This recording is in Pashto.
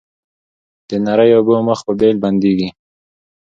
د نریو اوبو مخ په بېل بندیږي